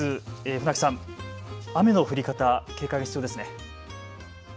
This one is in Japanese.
船木さん、雨の降り方警戒が必要ですね。